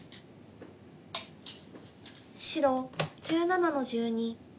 白１７の十二。